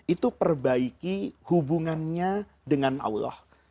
itu perbaiki hubungannya dengan allah